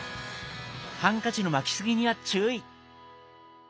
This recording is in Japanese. ハンカチの巻きすぎには注意。